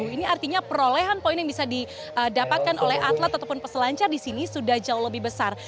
ini artinya perolehan poin yang bisa didapatkan oleh atlet ataupun peselancar di sini sudah jauh lebih besar